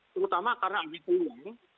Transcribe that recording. terutama karena ambil peluang